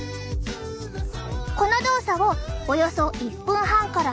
この動作をおよそ１分半から２分続けると。